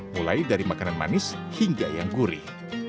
mulai dari makanan manis hingga yang gurih